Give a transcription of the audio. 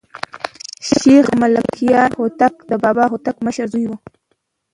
شېخ ملکیار هوتک د بابا هوتک مشر زوى وو.